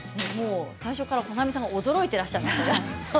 最初から保奈美さんが驚いてらっしゃいます。